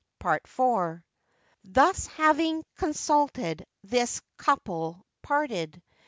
PART IV. Thus having consulted, this couple parted.